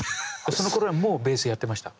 そのころはもうベースやってました？